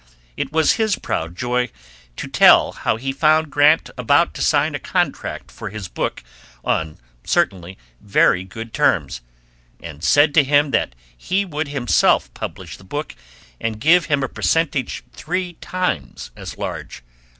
It was his proud joy to tell how he found Grant about to sign a contract for his book on certainly very good terms, and said to him that he would himself publish the book and give him a percentage three times as large.